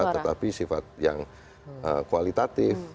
tetapi sifat yang kualitatif